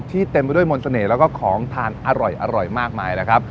เต็มไปด้วยมนต์เสน่ห์แล้วก็ของทานอร่อยมากมายนะครับ